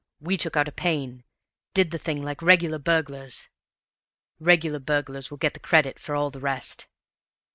We took out a pane did the thing like regular burglars. Regular burglars will get the credit of all the rest!"